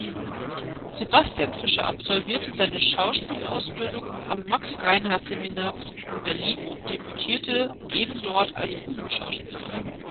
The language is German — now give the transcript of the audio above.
Sebastian Fischer absolvierte seine Schauspielausbildung am Max-Reinhardt-Seminar in Berlin und debütierte ebendort als Bühnenschauspieler.